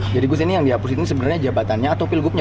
jadi ini yang dihapusin sebenarnya jabatannya atau pilgubnya